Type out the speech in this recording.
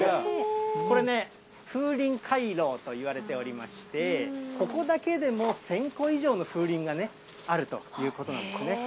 これね、風鈴回廊といわれておりまして、ここだけでも１０００個以上の風鈴があるということなんですね。